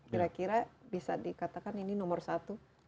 kira kira bisa dikatakan ini nomor satu